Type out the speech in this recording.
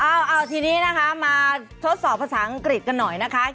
เอาทีนี้นะคะมาทดสอบภาษาอังกฤษกันหน่อยนะคะ